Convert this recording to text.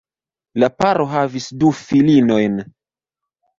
La paro havis du filinojn.